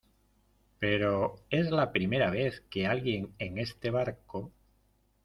pero es la primera vez que alguien en este barco